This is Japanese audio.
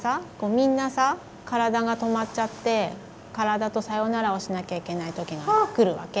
みんなさ体が止まっちゃって体とさよならをしなきゃいけない時が来るわけ。